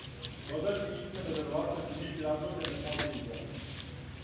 Додатне измене вероватно ће бити размотрене после избора.